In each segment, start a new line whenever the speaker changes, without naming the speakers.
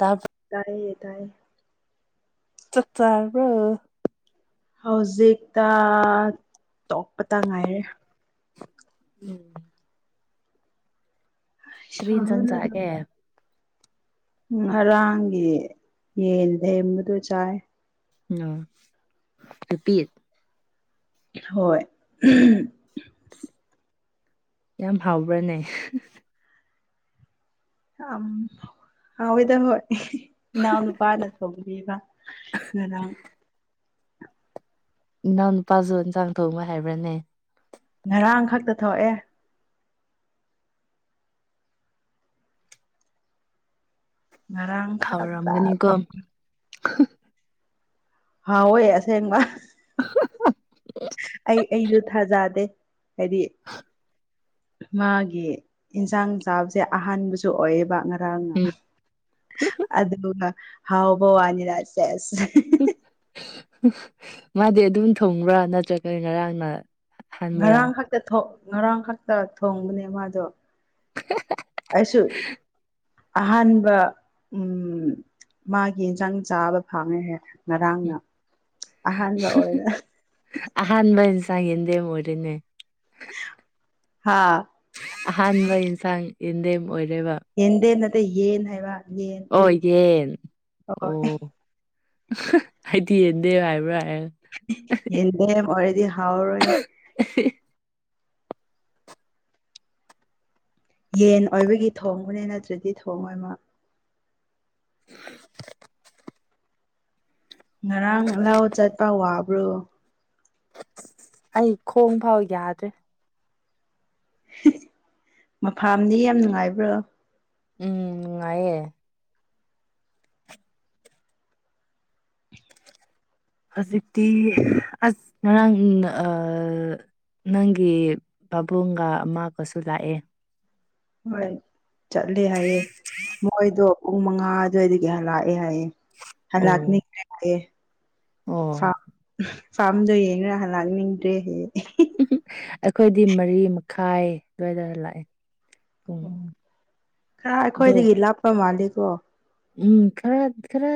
ꯇꯥꯕ
ꯇꯥꯏꯌꯦ ꯇꯥꯏꯌꯦ
ꯆꯥꯛ ꯆꯥꯔꯕ꯭ꯔꯣ
ꯍꯧꯖꯤꯛꯇ ꯇꯣꯛꯄꯇ ꯉꯥꯏꯔꯤ
ꯎꯝ ꯀ꯭ꯔꯤ ꯏꯟꯖꯥꯡ
ꯁꯥꯕꯅ
ꯆꯥꯒꯦ
ꯉꯔꯥꯡꯒꯤ ꯌꯦꯟ ꯂꯦꯝꯕꯗꯨ ꯆꯥꯏ
ꯅꯨꯔ ꯅꯨꯄꯤꯠ
ꯍꯣꯏ
ꯌꯥꯝ ꯍꯥꯎꯕ꯭ꯔꯥꯅꯦ
ꯑꯝ ꯍꯥꯎꯋꯤꯗ ꯍꯣꯏ ꯏꯅꯥꯎꯅꯨꯄꯥꯅ ꯊꯣꯡꯕꯤꯕ ꯉꯔꯥꯡ
ꯏꯅꯥꯎꯅꯨꯄꯥꯁꯨ ꯏꯟꯁꯥꯡ ꯊꯣꯡꯕ ꯍꯥꯏꯕ꯭ꯔꯅꯦ
ꯉꯔꯥꯡ ꯈꯛꯇ ꯊꯣꯛꯑꯦ ꯉꯔꯥꯡ ꯈꯛꯇ
ꯍꯥꯎꯔꯝꯒꯅꯤꯀꯣ
ꯊꯣꯛ
[unintelligible]
ꯍꯥꯎꯋꯦ ꯑꯁꯦꯡꯕ
[unintelligible]
ꯑꯩ ꯑꯩꯖꯨ ꯊꯥꯖꯥꯗꯦ ꯍꯥꯏꯗꯤ ꯃꯥꯒꯤ ꯏꯟꯁꯥꯡ ꯆꯥꯕꯁꯦ ꯑꯍꯥꯟꯕꯁꯨ ꯑꯣꯏꯌꯦꯕ ꯉ ꯈꯔꯥꯡꯅ
ꯎꯝ
ꯑꯗꯨꯒ ꯍꯥꯎꯕ ꯋꯥꯅꯤꯅꯥ ꯁꯦꯁ
ꯃꯥꯗꯤ ꯑꯗꯨꯝ ꯊꯣꯡꯕ꯭ꯔꯥ ꯅꯠꯇ꯭ꯔꯒ ꯉꯔꯥꯡꯅ ꯑꯍꯥꯟꯕꯔꯥ
ꯉꯔꯥꯡ ꯈꯛꯇ ꯊꯣꯛ ꯉꯔꯥꯡ ꯈꯛꯇ ꯊꯣꯡꯕꯅꯦ ꯃꯥꯗꯣ
[unintelligible]
ꯑꯩꯁꯨ ꯑꯍꯥꯟꯕ ꯎꯝ ꯃꯥꯒꯤ ꯍꯤꯟꯖꯥꯡ ꯆꯥꯕ ꯐꯪꯉꯦꯍꯦ
ꯎꯝ
ꯉꯔꯥꯡꯅ ꯑꯍꯥꯟꯕ ꯑꯣꯏꯅ
ꯑꯍꯥꯟꯕ ꯏꯟꯁꯥꯡ ꯌꯦꯟꯗꯦꯝ ꯑꯣꯏꯔꯦꯅꯦ
ꯍꯥꯥ
ꯑꯍꯥꯟꯕ ꯌꯦꯟꯁꯥꯡ ꯌꯦꯟꯗꯦꯝ ꯑꯣꯏꯔꯦꯕ
ꯌꯦꯟꯗꯦꯝ ꯅꯠꯇꯦ ꯌꯦꯟ ꯍꯥꯏꯕ ꯌꯦꯟ
ꯑꯣ ꯌꯦꯟ
ꯍꯣꯏ
ꯑꯣ ꯑꯍꯥ ꯑꯩꯗꯤ ꯌꯦꯟꯗꯦꯝ ꯍꯥꯏꯕ꯭ꯔꯥ ꯍꯥꯏ
[unintelligible] ꯌꯦꯟꯗꯦꯝ ꯑꯣꯏꯔꯗꯤ ꯍꯥꯎꯔꯔꯣꯏ
[unintelligible]
ꯌꯦꯟ ꯑꯣꯏꯕꯒꯤ ꯊꯣꯡꯕꯅꯦ ꯅꯠꯇ꯭ꯔꯗꯤ ꯊꯣꯡꯉꯣꯏ ꯃꯥ ꯉꯔꯥꯡ ꯂꯧ ꯆꯠꯄ ꯋꯥꯕ꯭ꯔꯣ
ꯑꯩ ꯈꯣꯡ ꯐꯥꯎ ꯌꯥꯗ꯭ꯔꯦ
[unintelligible] ꯃꯐꯥꯝꯗꯤ ꯌꯥꯝ ꯅꯨꯡꯉꯥꯏꯕ꯭ꯔꯣ
ꯎꯝ ꯅꯨꯡꯉꯥꯏꯌꯦ ꯍꯧꯖꯤꯛꯇꯤ ꯑꯁ ꯉꯔꯥꯡ ꯅꯑꯥ ꯅꯪꯒꯤ ꯄꯥꯕꯨꯡꯒ ꯑꯃꯥꯒꯁꯨ ꯂꯥꯛꯑꯦ
ꯍꯣꯏ ꯆꯠꯂꯦ ꯍꯥꯏꯌꯦ ꯃꯣꯏꯗꯣ ꯄꯨꯡ ꯃꯉꯥ ꯑꯗꯨꯋꯥꯏꯗꯒꯤ ꯍꯜꯂꯛꯑꯦ ꯍꯥꯏꯌꯦ
ꯑꯣ
ꯍꯜꯂꯛꯅꯤ [unintelligible] ꯍꯥꯏꯌꯦ
ꯑꯣ
ꯐꯥꯝ ꯐꯥꯔꯝꯗꯒꯤ ꯌꯦꯡꯔ ꯍꯜꯂꯛꯅꯤꯡꯗ꯭ꯔꯦ ꯍꯥꯏꯌꯦ ꯏꯍꯤ
[unintelligible] ꯑꯩꯈꯣꯏꯗꯤ ꯃꯔꯤ ꯃꯈꯥꯏ ꯑꯗꯨꯋꯥꯏꯗ ꯂꯥꯛꯑꯦ ꯄꯨꯡ
ꯎꯝ ꯈꯔ
ꯑꯗꯣ
ꯑꯩꯈꯣꯏꯗꯒꯤ ꯂꯥꯞꯄ ꯃꯥꯜꯂꯦꯀꯣ
ꯎꯝ ꯈꯔ ꯈꯔ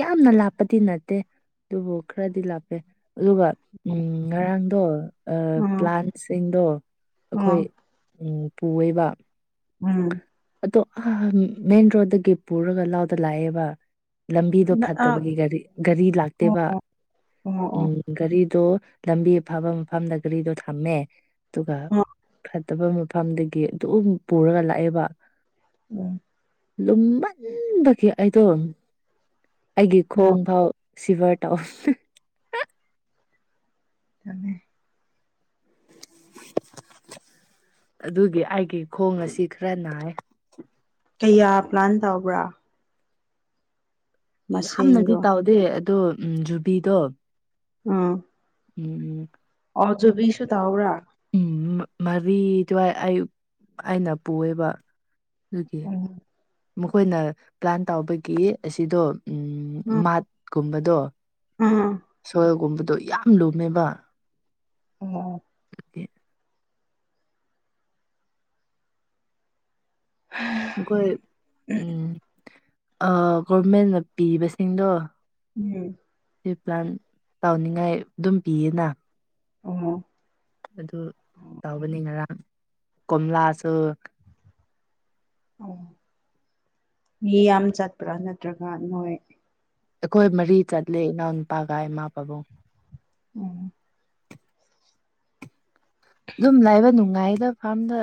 ꯌꯥꯝꯅ ꯂꯥꯞꯄꯗꯤ ꯅꯠꯇꯦ ꯑꯗꯨꯕꯨ ꯈꯔꯗꯤ ꯂꯥꯞꯄꯦ ꯑꯗꯨꯒ ꯎꯝ ꯉꯔꯥꯡꯗꯣ ꯑꯥ
ꯎꯝ
ꯄ꯭ꯂꯥꯟꯁꯤꯡꯗꯣ ꯑꯈꯣꯏ
ꯎꯝ
ꯎꯝ ꯄꯨꯋꯦꯕ
ꯎꯝ
ꯑꯗꯣ ꯑꯍꯥꯍꯥꯟ ꯃꯦꯟ ꯔꯣꯗꯒꯤ ꯄꯨꯔꯒ ꯂꯧꯗ ꯂꯥꯛꯑꯦꯕ ꯂꯝꯕꯤꯗꯣ
ꯑꯣ
ꯐꯠꯇꯕꯒꯤ ꯒꯥꯔꯤ ꯒꯥꯔꯤ
ꯑꯣ
ꯂꯥꯛꯇꯦꯕ
ꯑꯣ ꯑꯣ ꯑꯣ
ꯎꯝ ꯒꯥꯔꯤꯗꯣ ꯂꯝꯕꯤ ꯑꯐꯕ ꯃꯐꯝꯗ ꯒꯥꯔꯤꯗꯣ ꯊꯝꯃꯦ ꯑꯗꯨꯒ ꯐꯠꯇꯕ ꯃꯐꯝꯗꯒꯤ ꯑꯗꯨꯝ ꯄꯨꯔꯒ ꯂꯥꯛꯑꯦꯕ
ꯎꯝ
ꯂꯨꯝꯃꯟꯕꯒꯤ ꯑꯩꯗꯣ ꯑꯩꯒꯤ
ꯑꯣ
ꯈꯣꯡꯐꯥꯎ ꯁꯤꯚꯔ ꯇꯧꯕꯅꯦ
[unintelligible]
ꯑꯗꯨꯒꯤ ꯑꯩꯒꯤ ꯈꯣꯡ ꯑꯁꯤ ꯈꯔ ꯅꯥꯏ
ꯀꯌꯥ ꯄ꯭ꯂꯥꯟ ꯇꯧꯕ꯭ꯔꯥ
ꯌꯥꯝꯅꯗꯤ
ꯃꯁꯤꯡꯗꯣ
ꯇꯧꯗꯦ ꯑꯗꯣ ꯖꯨꯕꯤꯗꯣ
ꯑꯥ
ꯎꯝ ꯎꯝ
ꯑꯣ ꯖꯨꯕꯤꯁꯨ ꯇꯥꯎꯕ꯭ꯔꯥ
ꯎꯝ ꯃꯔꯤ ꯑꯗꯨꯋꯥꯏ ꯑꯌꯨꯛ ꯑꯩꯅ ꯄꯨꯑꯦꯕ ꯑꯗꯨꯒꯤ
ꯎꯝ
ꯃꯈꯣꯏꯅ ꯄ꯭ꯂꯥꯟ ꯇꯥꯎꯕꯒꯤ ꯑꯁꯤꯗꯣ ꯎꯝ ꯃꯥꯠ ꯀꯨꯝꯕꯗꯣ
ꯑꯥ
ꯁꯣꯜꯒꯨꯝꯕꯗꯣ ꯌꯥꯝ ꯂꯨꯝꯃꯦꯕ
ꯑꯣ ꯑꯣ
ꯑꯩꯈꯣꯏ ꯎꯝ ꯑꯥ ꯒꯣꯔꯃꯦꯟꯅ ꯄꯤꯕꯁꯤꯡꯗꯣ
ꯎꯝ
ꯔꯤꯄ꯭ꯂꯥꯟ ꯇꯧꯅꯤꯡꯉꯥꯏ ꯑꯗꯨꯝ ꯄꯤꯌꯦꯅ
ꯑꯣ
ꯑꯗꯨ ꯇꯧꯕꯅꯤ ꯉꯔꯥꯡ ꯀꯣꯝꯂꯥꯁꯨ
ꯑꯣ ꯃꯤ ꯌꯥꯝ ꯆꯠꯄ꯭ꯔꯥ ꯅꯠꯇ꯭ꯔꯒ ꯅꯣꯏ
ꯑꯩꯈꯣꯏ ꯃꯔꯤ ꯆꯠꯂꯦ ꯏꯅꯥꯎꯅꯨꯄꯥꯒ ꯏꯃꯥ ꯄꯥꯕꯨꯡ
ꯎꯝ
ꯑꯗꯨꯝ ꯂꯩꯕ ꯅꯨꯡꯉꯥꯏꯗꯕ ꯐꯥꯔꯝꯗ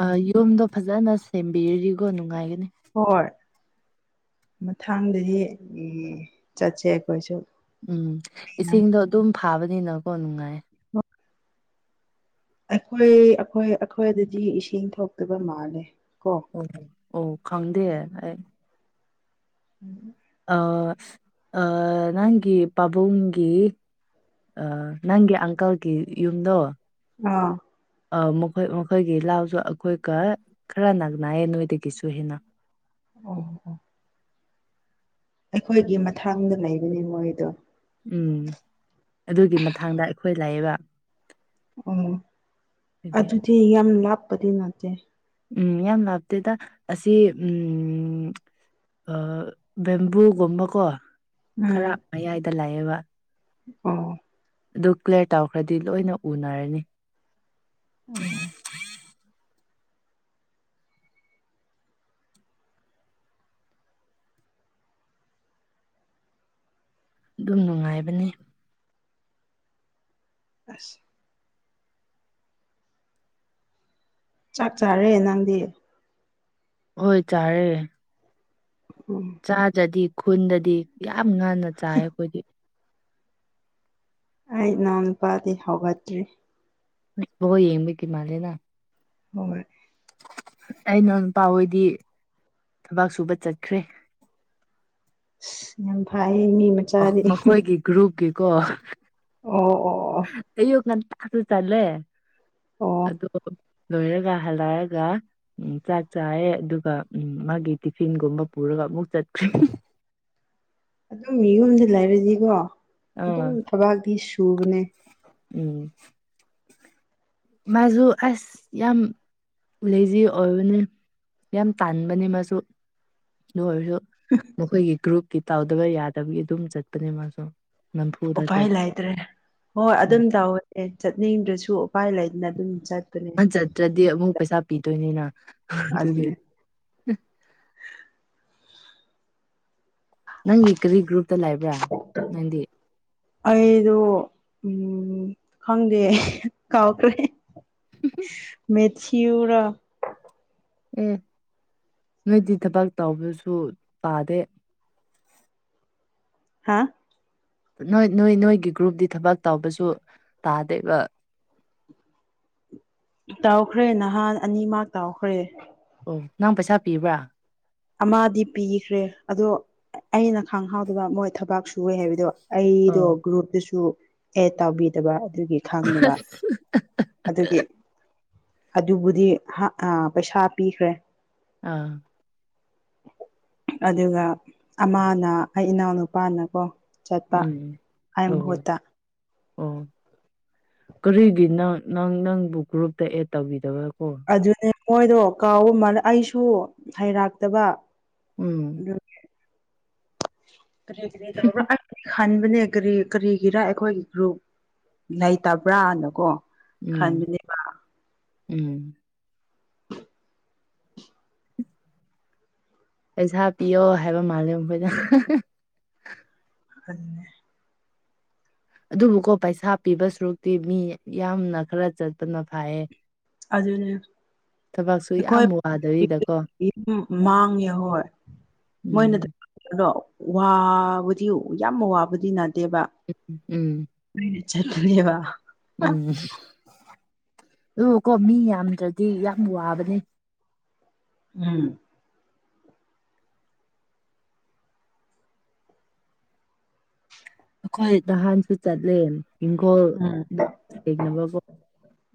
ꯑꯥ ꯌꯨꯝꯗꯣ ꯐꯖꯅ ꯁꯦꯝꯕꯤꯔꯗꯤꯒꯣ ꯅꯨꯡꯉꯥꯏꯒꯅꯤ
ꯍꯣꯏ ꯃꯊꯪꯗꯗꯤ ꯆꯠꯁꯦ ꯑꯩꯈꯣꯏꯁꯨ
ꯎꯝ
ꯍꯣꯏ
ꯏꯁꯤꯡꯗꯣ ꯑꯗꯨꯝ ꯐꯥꯕꯅꯤꯅꯀꯣ ꯅꯨꯡꯉꯥꯏ
ꯑꯩꯈꯣꯏ ꯑꯩꯈꯣꯏ ꯑꯩꯈꯣꯏꯗꯗꯤ ꯏꯁꯤꯡ ꯊꯣꯛꯇꯕ ꯃꯥꯜꯂꯦ ꯀꯣ
ꯑꯣ ꯑꯣ ꯈꯪꯗꯦ ꯑꯩ
ꯎꯝ
ꯑꯥ ꯑꯥ ꯅꯪꯒꯤ ꯄꯥꯕꯨꯡꯒꯤ ꯑꯥ ꯅꯪꯒꯤ ꯑꯪꯀꯜꯒꯤ ꯌꯨꯝꯗꯣ
ꯑꯥ
ꯑ ꯃꯈꯣꯏ ꯃꯈꯣꯏꯒꯤ ꯂꯥꯎꯁꯨ ꯑꯩꯈꯣꯏꯒ ꯈꯔ ꯅꯛꯅꯩꯌꯦ ꯅꯣꯏꯗꯒꯤꯁꯨ ꯍꯦꯟꯅ
ꯑꯣ ꯑꯣ ꯑꯩꯈꯣꯏꯒꯤ ꯃꯊꯡꯗ ꯂꯩꯕꯅꯤ ꯃꯣꯏꯗꯣ
ꯎꯝ ꯑꯗꯨꯒꯤ ꯃꯊꯥꯡꯗ ꯑꯩꯈꯣꯏ ꯂꯩꯌꯦꯕ
ꯑꯣ
ꯑꯗꯨꯒꯤ
ꯑꯗꯨꯗꯤ ꯌꯥꯝ ꯂꯥꯞꯄꯗꯤ ꯅꯠꯇꯦ
ꯎꯝ ꯌꯥꯝ ꯂꯥꯞꯇꯦꯗ ꯑꯁꯤ ꯎꯝ ꯑ ꯕꯦꯝꯕꯨꯒꯨꯝꯕꯀꯣ ꯈꯔ
ꯎꯝ
ꯃꯌꯥꯏꯗ ꯂꯩꯌꯦꯕ
ꯑꯣ
ꯑꯗꯨ ꯀ꯭ꯂꯤꯌꯥꯔ ꯇꯧꯈ꯭ꯔꯗꯤ ꯂꯣꯏꯅ ꯎꯅꯔꯅꯤ
ꯑꯣ ꯑꯣ
ꯑꯗꯨꯝ ꯅꯨꯡꯉꯥꯏꯕꯅꯦ
ꯑꯁ ꯆꯥꯛ ꯆꯥꯔꯦ ꯅꯪꯗꯤ
ꯍꯣꯏ ꯆꯥꯔꯦ
ꯎꯝ
ꯆꯥꯗ꯭ꯔꯗꯤ ꯈꯨꯟꯗꯗꯤ ꯌꯥꯝ ꯉꯟꯅ ꯆꯥꯏ ꯑꯩꯈꯣꯏꯗꯤ
ꯑꯩ ꯏꯅꯥꯎ ꯅꯨꯨꯄꯥꯗꯤ ꯍꯧꯒꯠꯇ꯭ꯔꯤ
ꯕꯣꯜ ꯌꯦꯡꯕꯒꯤ ꯃꯥꯜꯂꯦꯅ
ꯍꯣꯏ
ꯑꯩ ꯏꯅꯥꯎ ꯅꯨꯄꯥ ꯍꯣꯏꯗꯤ ꯊꯕꯛ ꯁꯨꯕ ꯆꯠꯈ꯭ꯔꯦ
ꯌꯥꯝ ꯐꯩꯌꯦ ꯃꯤ ꯃꯠ
ꯑ ꯃꯈꯣꯏꯒꯤ ꯒ꯭ꯔꯨꯞꯀꯤꯀꯣ
ꯑꯣ ꯑꯣ ꯑꯣ ꯑꯣ
ꯑꯌꯨꯛ ꯉꯟꯇꯥꯁꯨ ꯆꯠꯂꯦ
ꯑꯣ
ꯑꯗꯣ ꯂꯣꯏꯔꯒ ꯍꯜꯂꯛꯑꯒ ꯎꯝ ꯆꯥꯛ ꯆꯥꯏꯌꯦ ꯑꯗꯨꯒ ꯎꯝ ꯃꯥꯒꯤ ꯇꯤꯐꯤꯟꯒꯨꯝꯕ ꯄꯨꯔꯒ ꯑꯃꯨꯛ ꯆꯠꯈ꯭ꯔꯦ
ꯑꯗꯨꯝ ꯌꯨꯝꯗ ꯂꯩꯕꯁꯤꯗꯤꯀꯣ ꯑꯗꯨꯝ
ꯑꯥ
ꯊꯕꯥꯛꯇꯤ ꯁꯨꯕꯅꯦ
ꯎꯝ ꯃꯖꯨ ꯑꯁ ꯌꯥꯝ ꯂꯦꯖꯤ ꯑꯣꯢꯕꯅꯦ ꯌꯥꯝ ꯇꯥꯟꯕꯅꯤ ꯃꯁꯨ ꯂꯣꯢ ꯃꯈꯣꯢꯒꯤ ꯒ꯭ꯔꯨꯞꯀꯤ ꯇꯥꯎꯗꯕ ꯌꯥꯗꯕꯒꯤ ꯑꯗꯨꯝ ꯆꯠꯄꯅꯦ ꯃꯥꯁꯨ ꯅꯝꯐꯨꯗ
ꯎꯄꯥꯢ
ꯆꯠꯄ
ꯂꯩꯇ꯭ꯔꯦ ꯍꯣꯢ
ꯎꯝ
ꯑꯗꯨꯝ ꯇꯧꯋꯦ ꯑꯦ ꯆꯠꯅꯤꯡꯗ꯭ꯔꯁꯨ ꯎꯄꯥꯢ ꯂꯩꯗꯅ ꯑꯗꯨꯝ ꯆꯠ
ꯃꯥ ꯆꯠꯇ꯭ꯔꯗꯤ ꯑꯃꯨꯛ ꯄꯩꯁꯥ ꯄꯤꯗꯣꯢꯅꯤꯅ ꯑꯗꯨꯒꯤ
ꯑꯗꯨꯅꯦ
ꯅꯪꯒꯤ ꯀꯔꯤ ꯒ꯭ꯔꯨꯞꯇ ꯂꯩꯥꯛꯕ꯭ꯔꯥ ꯅꯪꯗꯤ
ꯑꯩꯗꯣ ꯎ ꯈꯪꯗꯦ ꯀꯥꯎꯈ꯭ꯔꯦ ꯃꯦꯊꯤꯌꯨꯔ
ꯑꯦ ꯅꯣꯢꯗꯤ ꯊꯕꯛ ꯇꯧꯕꯁꯨ ꯄꯥꯗꯦ
ꯍꯥꯥ
ꯅꯣꯢ ꯅꯣꯢ ꯅꯣꯢꯒꯤ ꯒ꯭ꯔꯨꯞꯇ ꯊꯕꯛ ꯇꯧꯕꯁꯨ ꯇꯥꯗꯦꯕ
ꯇꯥꯎꯈ꯭ꯔꯦ ꯅꯍꯥꯟ ꯑꯅꯤꯃꯛ ꯇꯧꯈ꯭ꯔꯦ
ꯑꯣ ꯅꯪ ꯄꯩꯁꯥ ꯄꯤꯕ꯭ꯔꯥ
ꯑꯃꯗꯤ ꯄꯤꯈ꯭ꯔꯦ ꯑꯗꯣ ꯑꯩꯅ ꯈꯥꯡꯍꯧꯗꯕ ꯃꯣꯢ ꯊꯕꯥꯛ ꯁꯨꯋꯦ ꯍꯥꯢꯕꯗꯣ ꯑꯩꯗꯣ
ꯑꯥ
ꯒ꯭ꯔꯨꯞꯇꯁꯨ ꯑꯦꯠ ꯇꯧꯕꯤꯗꯕ ꯑꯗꯨꯒꯤ ꯈꯪꯗꯕ ꯑꯗꯨꯒꯤ ꯑꯗꯨꯕꯨꯗꯤ ꯍꯥ ꯑꯥ ꯄꯩꯁꯥ ꯄꯤꯈ꯭ꯔꯦ
ꯑꯥ
ꯑꯗꯨꯒ ꯑꯃꯥꯅ ꯑꯩ ꯏꯅꯥꯎꯅꯨꯄꯥꯅ ꯀꯣ
ꯎꯝ ꯑꯣ ꯑꯣ ꯀꯔꯤꯒꯤ ꯅꯪ ꯅꯪ ꯅꯪꯕꯨ ꯒ꯭ꯔꯨꯞꯇ ꯑꯦꯠ ꯇꯧꯕꯤꯗꯕ ꯀꯣ
ꯑꯗꯨꯅꯦ ꯃꯣꯢꯗꯣ ꯀꯥꯎꯕ ꯃꯜꯂꯦ ꯑꯩꯁꯨ ꯍꯩꯔꯇꯕ
ꯎꯝ
ꯀꯔꯤ ꯀꯔꯤ ꯇꯧꯕ꯭ꯔ ꯑꯁ ꯈꯟꯕꯅꯦ ꯀꯔꯤ ꯀꯔꯤꯒꯤꯔ ꯑꯩꯈꯣꯢꯒꯤ ꯒ꯭ꯔꯨꯞ ꯂꯩꯇꯕ꯭ꯔꯥꯅꯀꯣ
ꯎꯝ
ꯈꯟꯕꯅꯦꯕ
ꯎꯝ ꯄꯩꯁꯥ ꯄꯤꯌꯣ ꯍꯥꯢꯕ ꯃꯥꯜꯂꯦ ꯃꯈꯣꯢꯗ
ꯑꯗꯨꯅꯦ
ꯑꯗꯨꯕꯨꯀꯣ ꯄꯩꯁꯥ ꯄꯤꯕ ꯁꯔꯨꯛꯇꯤ ꯃꯤ ꯌꯥꯝꯅ ꯈꯔ ꯆꯠꯄꯅ ꯐꯥꯢꯌꯦ
ꯑꯗꯨꯅꯦ ꯑꯩꯈꯣꯢ
ꯌꯥꯝ ꯋꯥꯗꯕꯤꯗꯀꯣ
[unintelligible] ꯃꯥꯡꯉꯦ ꯍꯣꯢ
ꯎꯝ
ꯑꯗꯣ ꯋꯥꯕꯨꯗꯤ ꯌꯥꯝꯅ ꯋꯥꯕꯨꯗꯤ ꯅꯥꯇꯦꯕ
ꯎꯝ ꯎꯝ
ꯄ ꯆꯕꯅꯦꯕ
ꯎꯝ ꯗꯨ ꯀꯣ ꯃꯤ ꯌꯥꯝꯗ꯭ꯔꯗꯤ ꯌꯥꯝ ꯋꯥꯕꯅꯦ
ꯎꯝ
ꯑꯩꯈꯣꯢ ꯅꯍꯥꯟꯁꯨ ꯆꯠꯂꯦ ꯍꯤꯡꯈꯣꯜ
ꯎꯝ
ꯊꯦꯡꯅꯕꯀꯣ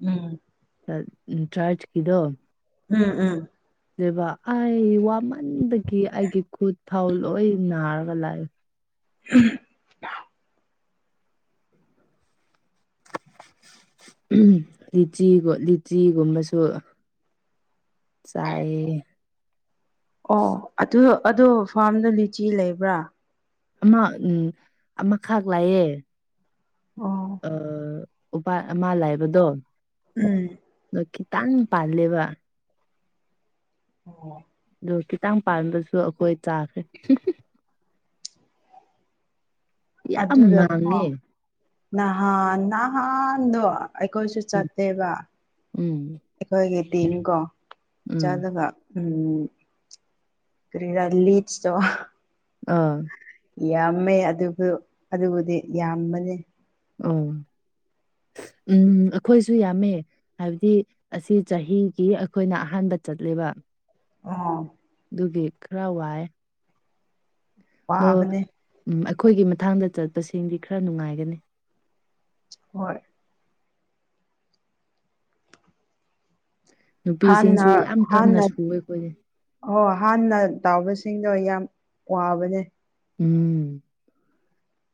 ꯎꯝ
[unintelligible]
ꯎꯝ ꯎꯝ
ꯗꯕ ꯑꯩ ꯋꯥꯃꯟꯗꯒꯤ ꯑꯩꯒꯤ ꯈꯨꯠ ꯊꯥꯎ ꯂꯣꯢ ꯅꯥꯔꯒ ꯂꯥꯛꯑꯦ
ꯎꯝ
[unintelligible] ꯂꯤꯆꯤꯒ ꯂꯤꯆꯤꯒꯨꯝꯕꯁꯨ ꯆꯥꯢꯌꯦ
ꯑꯣ ꯑꯗꯨ ꯑꯗꯨ ꯐꯥꯔꯝꯗꯣ ꯂꯤꯆꯤ ꯂꯩꯕ꯭ꯔꯥ
ꯑꯃ ꯎꯝ ꯑꯃꯈꯛ ꯂꯩꯑꯦ
ꯑꯣ
ꯑ ꯎꯄꯥꯜ ꯑꯃ ꯂꯩꯕꯗꯣ
ꯎꯝ
ꯑꯗꯣ ꯈꯤꯇꯪ ꯄꯥꯜꯂꯦꯕ
ꯑꯣ
ꯑꯗꯨ ꯈꯤꯇꯪ ꯄꯥꯟꯕꯗꯁꯨ ꯑꯩꯈꯣꯏ ꯆꯥꯈ꯭ꯔꯦ ꯌꯥꯝ
ꯑꯗꯨꯗꯒꯣ
ꯉꯥꯡꯉꯦ
ꯅꯍꯥꯟ ꯅꯍꯥꯟꯗꯣ ꯑꯩꯈꯣꯏꯁꯨ
ꯎꯝ
ꯆꯠꯇꯦꯕ
ꯎꯝ
ꯑꯩꯈꯣꯏꯒꯤ ꯇꯤꯝꯀꯣ
ꯎꯝ
ꯆꯠꯂꯒ ꯎꯝ ꯀꯔꯤꯔꯥ ꯂꯤꯠꯇꯣ
ꯑꯥ
ꯌꯥꯝꯃꯦ ꯑꯗꯨꯕꯨ ꯑꯗꯨꯕꯨꯗꯤ ꯌꯥꯝꯕꯅꯦ
ꯑꯣ ꯎꯝ ꯑꯩꯈꯣꯏꯁꯨ ꯌꯥꯝꯃꯦ ꯍꯥꯏꯕꯗꯤ ꯑꯁꯤ ꯆꯍꯤꯒꯤ ꯑꯩꯈꯣꯏꯅ ꯑꯍꯥꯟꯕ ꯆꯠꯂꯦꯕ
ꯑꯣ
ꯑꯗꯨꯒꯤ ꯈꯔ ꯋꯥꯏ ꯑꯗꯣ
ꯋꯥꯕꯅꯦ
ꯎꯝ ꯑꯩꯈꯣꯏꯒꯤ ꯃꯊꯪꯗ ꯆꯠꯄꯁꯤꯡꯗꯤ ꯈꯔ ꯅꯨꯡꯉꯥꯏꯒꯅꯤ
ꯍꯣꯏ ꯍꯥꯟꯅ
ꯅꯨꯄꯤꯁꯤꯡꯁꯨ ꯌꯥꯝ ꯀꯟꯅ
ꯍꯥꯟꯅ
ꯁꯨꯋꯦ ꯑꯩꯈꯣꯏꯗꯤ
ꯑꯣ ꯍꯥꯟꯅ ꯇꯥꯎꯕꯁꯤꯡꯗꯣ ꯌꯥꯝ ꯋꯥꯕꯅꯦ
ꯎꯝ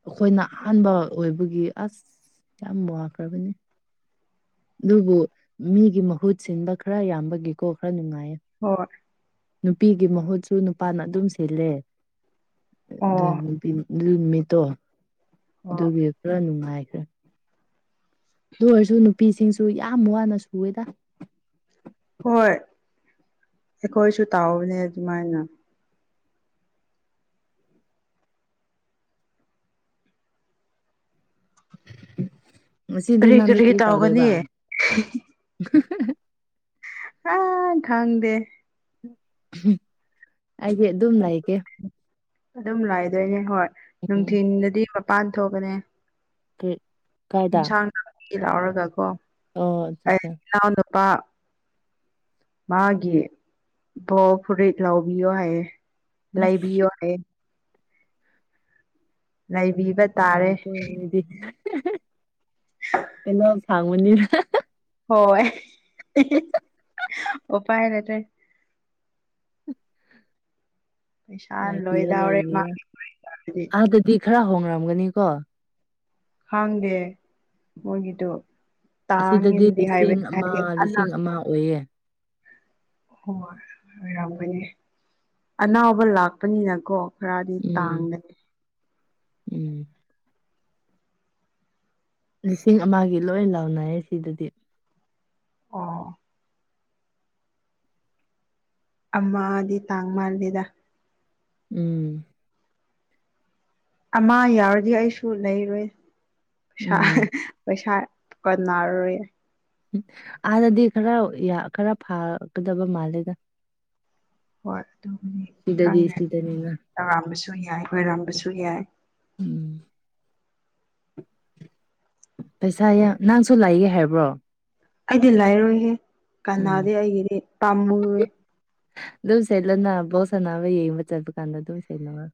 ꯑꯩꯈꯣꯏꯅ ꯑꯍꯥꯟꯕ ꯑꯣꯏꯕꯒꯤ ꯑꯁ ꯌꯥꯝ ꯋꯥꯈ꯭ꯔꯕꯅꯤ ꯑꯗꯨꯕꯨ ꯃꯤꯒꯤ ꯃꯍꯨꯠ ꯁꯤꯟꯕ ꯈꯔ ꯌꯥꯝꯕꯒꯤꯀꯣ ꯈꯔ ꯅꯨꯡꯉꯥꯏꯌꯦ
ꯍꯣꯏ
ꯅꯨꯄꯤꯒꯤ ꯃꯍꯨꯠꯁꯨ ꯅꯨꯄꯥꯅ ꯑꯗꯨꯝ ꯁꯤꯜꯂꯦ ꯑꯗꯨ
ꯑꯣ
ꯅꯨꯄꯤ ꯑꯗꯨ ꯅꯨꯃꯤꯠꯇꯣ
ꯑꯣ
ꯑꯗꯨꯒꯤ ꯄꯨꯔ ꯅꯨꯡꯉꯥꯏꯈ꯭ꯔꯦ ꯑꯗꯨ ꯑꯣꯏꯔꯁꯨ ꯅꯨꯄꯤꯁꯤꯡꯁꯨ ꯌꯥꯝ ꯋꯥꯅ ꯁꯨꯋꯦꯗ
ꯍꯣꯏ ꯑꯩꯈꯣꯏꯁꯨ ꯇꯧꯕꯅꯦ ꯑꯗꯨꯃꯥꯏꯅ
ꯉꯁꯤꯗꯤ ꯅꯪꯗꯤ ꯀꯔꯤ ꯇꯧꯗꯣꯏꯕ
ꯑꯥ ꯈꯪꯗꯦ
ꯑꯩꯗꯤ ꯑꯗꯨꯝ ꯂꯩꯒꯦ
ꯑꯗꯨꯝ ꯂꯩꯗꯣꯏꯅꯦ ꯍꯣꯏ
ꯎꯝ
ꯅꯨꯡꯊꯤꯟꯗꯗꯤ ꯃꯄꯥꯟ ꯊꯣꯛꯀꯅꯤ
ꯀ [unintelligible]
ꯌꯦꯟꯁꯥꯡ ꯅꯥꯒꯤ ꯂꯥꯎꯔꯒ ꯀꯣ
ꯑꯣ ꯑꯠꯆꯥ
ꯑꯩ
ꯑꯠꯆꯥ
ꯏꯅꯥꯎ ꯅꯨꯄꯥ ꯃꯥꯒꯤ ꯕꯣꯜ ꯐꯨꯔꯤꯠ ꯂꯥꯎꯕꯤꯌꯣ ꯍꯥꯏꯌꯦ ꯂꯩꯕꯤꯌꯣ ꯍꯥꯏꯌꯦ ꯂꯩꯕꯤꯕ ꯇꯥꯔꯦ
[unintelligible] [unintelligible] ꯇꯣꯂꯣꯞ ꯐꯪꯕꯅꯤꯅ
ꯍꯣꯏ ꯎꯄꯥꯏ ꯂꯩꯇꯦ ꯄꯩꯁꯥ
ꯂꯩꯕꯤꯌꯣ
ꯂꯣꯏꯗꯧꯔꯦ
ꯂꯩꯕꯤꯌꯣ
ꯃꯥꯒꯤ ꯍꯥꯏꯗꯤ
ꯑꯥꯗꯗꯤ ꯈꯔ ꯍꯣꯡꯔꯝꯒꯅꯤꯀꯣ
ꯈꯪꯗꯦ ꯃꯣꯏꯒꯤꯗꯣ ꯇꯥꯡꯉꯦꯗꯤ ꯍꯥꯏꯕꯅꯤ ꯍꯥꯏꯗꯤ ꯑꯅꯥꯛ
ꯃꯥ ꯎꯨꯢꯌꯦ
ꯍꯣꯏ ꯑꯣꯏꯔꯝꯒꯅꯤ ꯑꯅꯥꯕ ꯂꯥꯛꯄꯅꯤꯅꯀꯣ ꯈꯔꯗꯤ
ꯎꯝ
ꯇꯥꯡꯒꯅꯤ
ꯎꯝ꯫ ꯂꯤꯁꯤꯡ ꯑꯃꯒꯤ ꯂꯣꯏ ꯂꯥꯎꯅꯔꯦ ꯁꯤꯗꯗꯤ
ꯑꯣ ꯑꯃꯗꯤ ꯇꯥꯡ ꯃꯥꯜꯂꯦꯗ
ꯎꯝ꯫
ꯑꯃ ꯌꯥꯎꯔꯗꯤ ꯑꯩꯁꯨ ꯂꯩꯔꯣꯏ ꯄꯩꯁꯥ
ꯎꯝ
ꯄꯩꯁꯥ ꯀꫭꯟꯅꯔꯔꯣꯏꯌꯦ
ꯑꯗꯥꯗꯤ ꯈꯔ ꯌꯥ ꯈꯔ ꯐꯥꯒꯗꯕ ꯃꯥꯜꯂꯦꯗ
ꯍꯣꯏ ꯑꯗꯨꯕꯨꯗꯤ
ꯁꯤꯗꯗꯤ
ꯈꯪꯗ꯭ꯔꯦ
ꯁꯤꯗꯅꯤꯅ
ꯑꯔꯥꯟꯕꯁꯨ ꯌꯥꯏ ꯂꯣꯏꯔꯝꯕꯁꯨ ꯌꯥꯏ
ꯎꯝ꯫ ꯄꯩꯁꯥ ꯌꯥꯝ ꯅꯪꯁꯨ ꯂꯩꯒꯦ ꯍꯥꯏꯕ꯭ꯔꯣ
ꯑꯩꯗꯤ ꯂꯩꯔꯣꯏꯍꯦ
ꯎꯝ
ꯀꯅꯥꯗꯤ ꯑꯩꯒꯤꯗꯤ ꯄꯥꯝꯃꯨꯏꯌꯦ
ꯗꯨꯝ ꯁꯦꯠꯂꯨꯅ ꯕꯣꯜ ꯁꯥꯟꯅꯕꯩ ꯌꯦꯡꯕ ꯆꯠꯄ ꯀꯥꯟꯗ ꯗꯨꯝ ꯁꯦꯠꯂꫭ